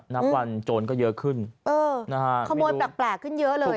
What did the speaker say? นับวันโจรก็เยอะขึ้นเออนะฮะขโมยแปลกขึ้นเยอะเลย